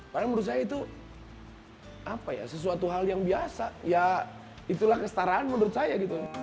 karena menurut saya itu sesuatu hal yang biasa ya itulah kestaraan menurut saya